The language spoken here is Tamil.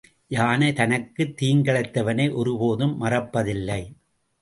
யானை தனக்குத் தீங்கிழைத்தவனை ஒரு போதும் மறப்பதில்லை.